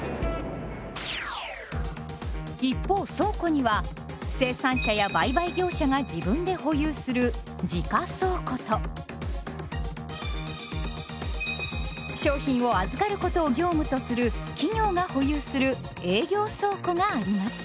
一方倉庫には生産者や売買業者が自分で保有する「自家倉庫」と商品を預かることを業務とする企業が保有する「営業倉庫」があります。